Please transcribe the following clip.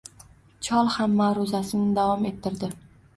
Chol ham ma`ruzasini davom ettirdi